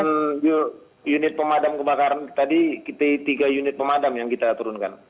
dengan unit pemadam kebakaran tadi kita tiga unit pemadam yang kita turunkan